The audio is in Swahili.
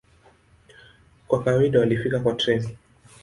Kwa kawaida walifika kwa treni.